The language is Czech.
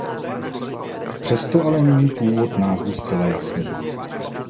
Přesto ale není původ názvu zcela jasný.